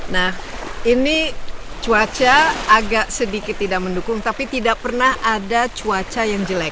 nah ini cuaca agak sedikit tidak mendukung tapi tidak pernah ada cuaca yang jelek